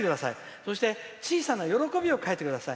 そして、小さな喜びを書いてください。